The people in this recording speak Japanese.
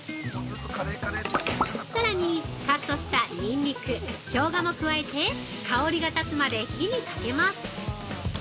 さらに、カットしたニンニクショウガも加えて香りが立つまで火にかけます。